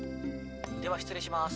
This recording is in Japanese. では失礼します。